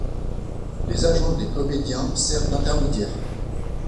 Les agents des comédiens servent d'intermédiaires.